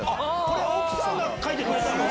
これ奥さんが描いてくれたの？